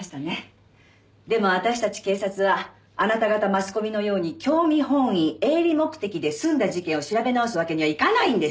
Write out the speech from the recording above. でも私たち警察はあなた方マスコミのように興味本位営利目的で済んだ事件を調べ直すわけにはいかないんです。